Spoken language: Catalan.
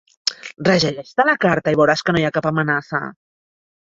Rellegeix-te la carta i veuràs que no hi ha cap amenaça.